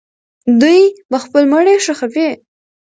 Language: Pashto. دوی به خپل مړي ښخوي.